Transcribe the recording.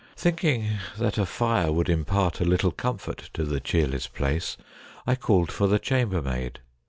Thinking that a fire would impart a little comfort to the cheerless place, I called for the chamber maid.